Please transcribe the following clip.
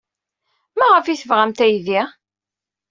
Maɣef ay tebɣamt aydi?